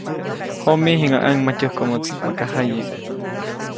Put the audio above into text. Jomi, jiŋäʼ ʼaŋmatyäjkomoʼtsi maka jaye.